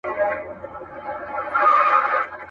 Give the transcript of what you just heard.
کله شاته کله څنګ ته یې کتله.